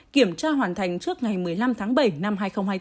kiểm tra hoàn thành trước ngày một mươi năm tháng bảy năm hai nghìn hai mươi bốn